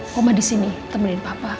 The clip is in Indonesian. koma di sini temenin papa